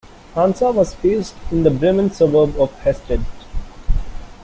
Hansa was based in the Bremen suburb of Hastedt.